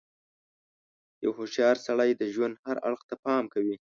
• یو هوښیار سړی د ژوند هر اړخ ته پام کوي.